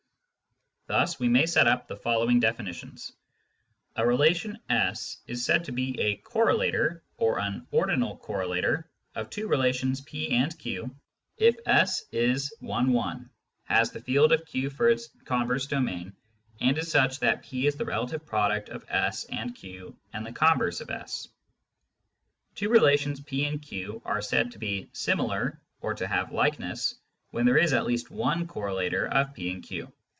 Thus we may set up the following definitions :— A relation S is said to be a " correlator " or an " ordinal correlator " of two relations P and Q if S is one one, has the field of Q for its converse domain, and is such that P is the relative product of S and Q and the converse of S. Two relations P and Q are said to be " similar," or to have " likeness," when there is at least one correlator of P and Q.